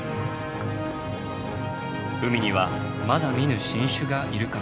海にはまだ見ぬ新種がいるかもしれません。